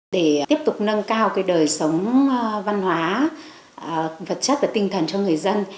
để tiếp tục nâng cao đời sống văn hóa vật chất và tinh thần cho người dân